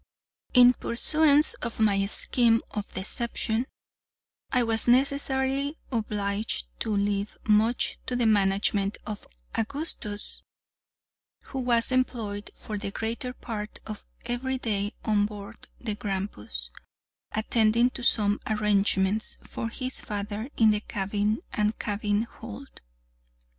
In pursuance of my scheme of deception, I was necessarily obliged to leave much to the management of Augustus, who was employed for the greater part of every day on board the Grampus, attending to some arrangements for his father in the cabin and cabin hold.